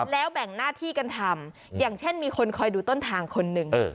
แล้วแบ่งหน้าที่กันทำอย่างเช่นมีคนคอยดูต้นทางคนหนึ่ง